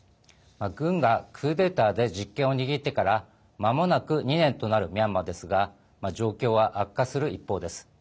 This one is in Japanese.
軍がクーデターで実権を握ってからまもなく２年となるミャンマーですが状況は悪化する一方です。